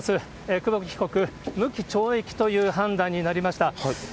久保木被告、無期懲役という判断になりました。